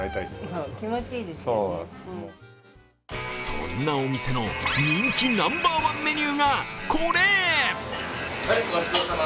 そんなお店の人気ナンバーワンメニューがこれ。